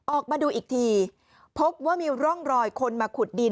ออกมาดูอีกทีพบว่ามีร่องรอยคนมาขุดดิน